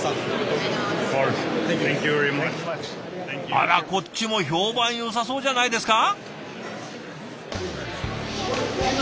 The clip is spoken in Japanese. あらこっちも評判よさそうじゃないですか！